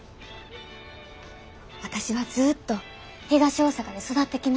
私はずっと東大阪で育ってきました。